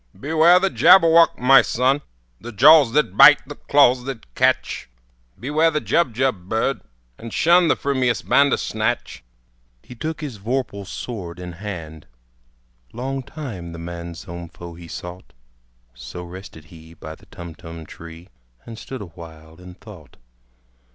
"Beware the Jabberwock, my son! The jaws that bite, the claws that catch! Beware the Jubjub bird, and shun The frumious Bandersnatch!" He took his vorpal sword in hand: Long time the manxome foe he sought. So rested he by the Tumtum tree, And stood awhile in thought.